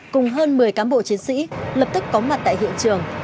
cùng hơn một mươi cán bộ chiến sĩ lập tức có mặt tại hiện trường